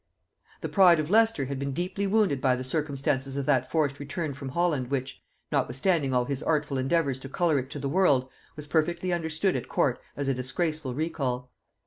The pride of Leicester had been deeply wounded by the circumstances of that forced return from Holland which, notwithstanding all his artful endeavours to color it to the world, was perfectly understood at court as a disgraceful recall.